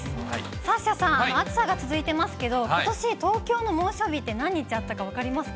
サッシャさん、暑さが続いてますけど、ことし東京の猛暑日って何日あったか分かりますか。